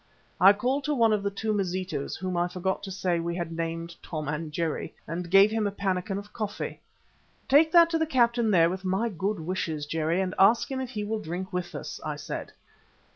I called to one of the two Mazitus, whom I forgot to say we had named Tom and Jerry, and gave him a pannikin of coffee. "Take that to the captain there with my good wishes, Jerry, and ask him if he will drink with us," I said.